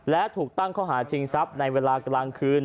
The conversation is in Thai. และถูกตั้งข้อหาชิงทรัพย์ในเวลากลางคืน